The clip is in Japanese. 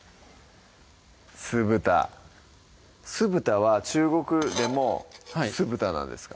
酢豚酢豚は中国でも酢豚なんですか？